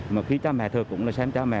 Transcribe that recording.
mà khi cha mẹ thờ củng là xem cha mẹ